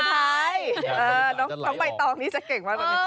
ต้องไปต่อนี่จะเก่งมาก